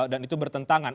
dan itu bertentangan